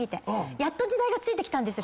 やっと時代がついてきたんですよ。